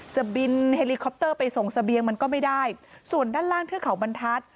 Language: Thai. จะบินเฮลิคอปเตอร์ไปส่งเสบียงมันก็ไม่ได้ส่วนด้านล่างเทือกเขาบรรทัศน์